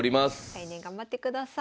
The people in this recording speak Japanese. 来年頑張ってください。